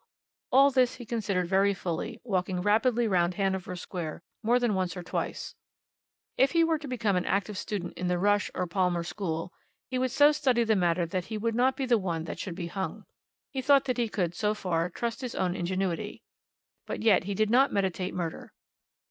All this he considered very fully, walking rapidly round Hanover Square more than once or twice. If he were to become an active student in the Rush or Palmer school, he would so study the matter that he would not be the one that should be hung. He thought that he could, so far, trust his own ingenuity. But yet he did not meditate murder.